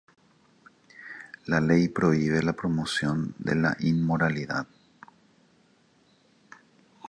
La Ley prohíbe la promoción de la inmoralidad.